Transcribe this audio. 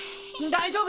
大丈夫！